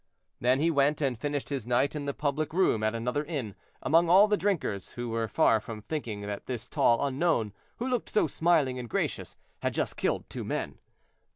Then he went and finished his night in the public room at another inn, among all the drinkers, who were far from thinking that this tall unknown, who looked so smiling and gracious, had just killed two men.